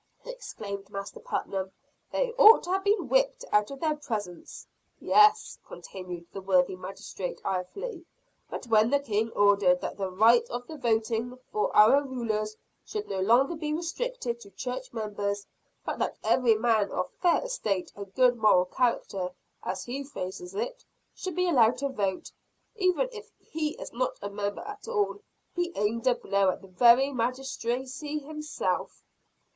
exclaimed Master Putnam. "They ought to have been whipped out of their presence." "Yes," continued the worthy Magistrate irefully; "but when the King ordered that the right of voting for our rulers should no longer be restricted to church members; but that every man of fair estate and good moral character, as he phrases it, should be allowed to vote, even if he is not a member at all, he aimed a blow at the very Magistracy itself."